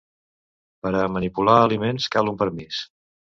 Per a manipular aliments cal un permís.